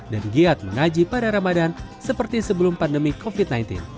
dan giat mengaji pada ramadan seperti sebelum pandemi covid sembilan belas